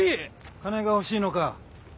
金が欲しいのか。